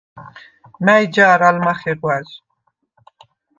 მა̈ჲ ჯა̄რ ალ მახეღვა̈ჟ?